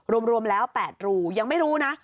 รวมแล้ว๘รูยังไม่รู้นะ